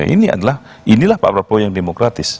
ini adalah inilah pak prabowo yang demokratis